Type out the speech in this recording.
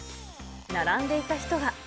並んでいた人は。